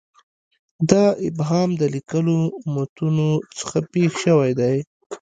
دا ابهام د لیکلو متونو څخه پېښ شوی دی.